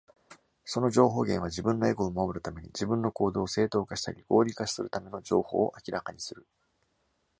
その情報源は、自分のエゴを守るために、自分の行動を正当化したり合理化するための情報を明らかにする。